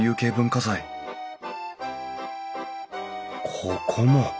ここも。